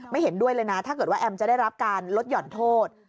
เห็นด้วยเลยนะถ้าเกิดว่าแอมจะได้รับการลดห่อนโทษ